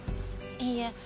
いいえ。